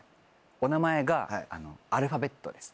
お名前がアルファベットです。